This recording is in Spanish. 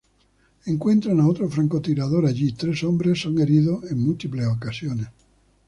Encuentran a otro francotirador allí, tres hombres son heridos en múltiples ocasiones.